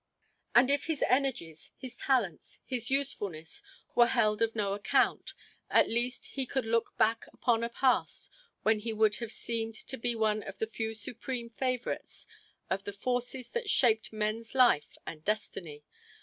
And if his energies, his talents, his usefulness, were held of no account, at least he could look back upon a past when he would have seemed to be one of the few supreme favorites of the forces that shaped man's life and destiny.